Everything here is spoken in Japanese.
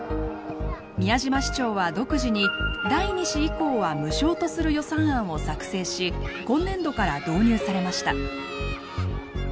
宮嶋市長は独自に第２子以降は無償とする予算案を作成し今年度から導入されました。